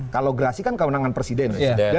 kalau gerasi kan kewenangan presiden